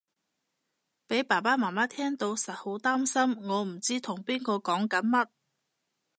俾爸爸媽媽聽到實好擔心我唔知同邊個講緊乜